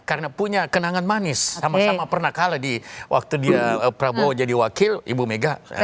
karena punya kenangan manis sama sama pernah kalah di waktu dia prabowo jadi wakil ibu mega